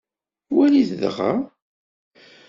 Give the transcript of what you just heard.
Walit dɣa.